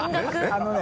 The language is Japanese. あのね